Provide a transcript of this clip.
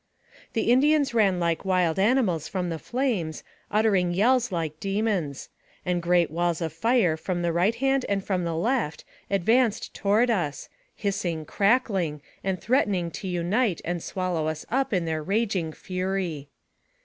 The Indians ran like wild animals from the flames, uttering yells like demons; and great walls of fire from the right hand and from the left advanced toward us, hissing, crackling, and threatening to unite and swallow us up in their raging fury.